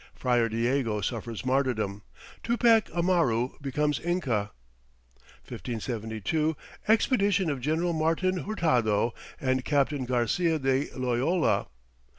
Friar Diego suffers martyrdom. Tupac Amaru becomes Inca. 1572. Expedition of General Martin Hurtado and Captain Garcia de Loyola.